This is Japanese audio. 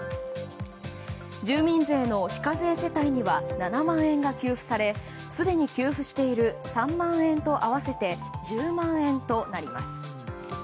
住民税の非課税世帯には７万円が給付されすでに給付している３万円と合わせて１０万円となります。